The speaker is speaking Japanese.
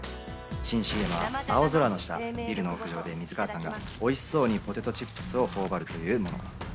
新ＣＭは青空の下、ビルの屋上で水川さんがおいしそうにポテトチップスをほおばるというもの。